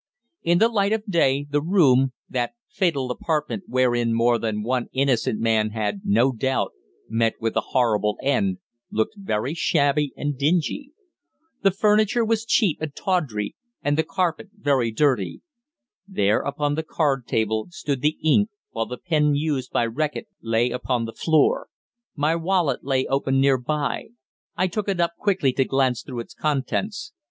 In the light of day, the room that fatal apartment wherein more than one innocent man had, no doubt, met with a horrible end looked very shabby and dingy. The furniture was cheap and tawdry, and the carpet very dirty. There, upon the card table, stood the ink, while the pen used by Reckitt lay upon the floor. My wallet lay open near by. I took it up quickly to glance through its contents.